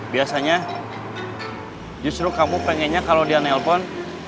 biasanya justru kamu pengennya kalau dia nelpon